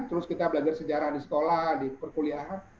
terus kita belajar sejarah di sekolah di perkuliahan